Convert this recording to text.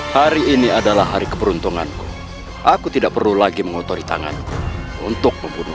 hari ini adalah hari keberuntunganku aku tidak perlu lagi mengotori tanganmu untuk membunuh